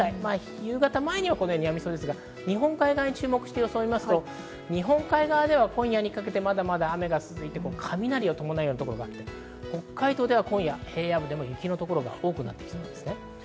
夕方前にはやみそうですが、日本海側に注目して様子をみますと、今夜にかけてまだまだ雨が続いて、雷を伴う所が北海道では今夜、平野部でも雪の所が多くなってきそうです。